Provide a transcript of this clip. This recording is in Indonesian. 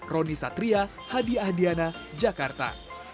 roni satria hadi ahdiana jakarta